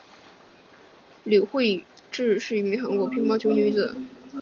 柳智惠是一名韩国女子乒乓球运动员。